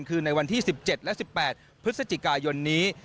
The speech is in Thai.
คือในวันที่๑๗และ๑๘พฤศจิกายนนี้